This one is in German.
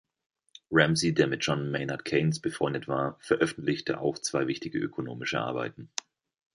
Ramsey, der mit John Maynard Keynes befreundet war, veröffentlichte auch zwei wichtige ökonomische Arbeiten.